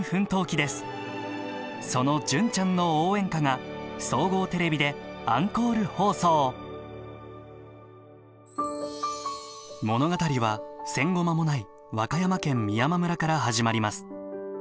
その「純ちゃんの応援歌」が総合テレビでアンコール放送物語は戦後間もない和歌山県美山村から始まります。